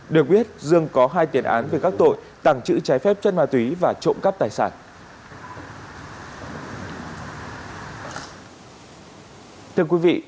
được biết dương có hai tiền án về các tội tảng chữ trái phép chất ma túy và trộm cắp tài sản